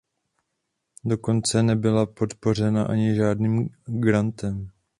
Dokonce nebyla podpořena ani žádným grantem.